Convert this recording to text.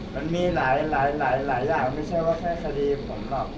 มันมีหลายอย่างไม่ใช่ว่าแค่คดีผมหรอก